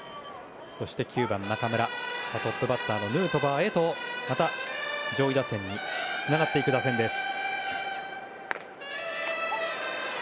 そして９番、中村トップバッターのヌートバーへとまた上位につながる打線です。